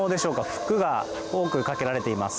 服が多くかけられています。